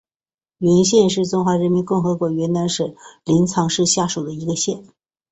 云县是中华人民共和国云南省临沧市下属的一个县。